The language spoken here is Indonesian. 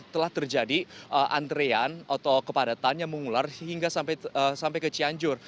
telah terjadi antrean atau kepadatan yang mengular hingga sampai ke cianjur